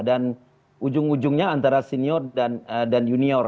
dan ujung ujungnya antara senior dan junior